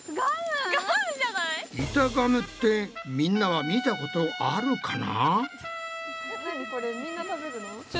板ガムってみんなは見たことあるかな？